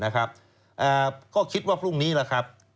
ก็คิดว่าพรุ่งนี้แหละครับ